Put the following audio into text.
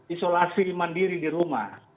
isolasi mandiri di rumah